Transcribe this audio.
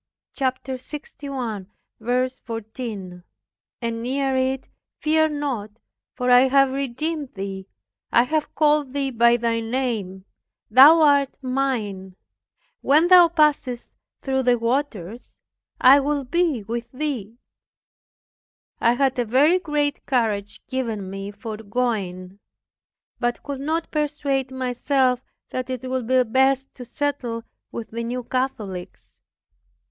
(Chap. 61:14) and near it, "Fear not; for I have redeemed thee, I have called thee by thy name; thou art mine. When thou passest through the waters, I will be with thee." I had a very great courage given me for going, but could not persuade myself that it would be best to settle with the New Catholics.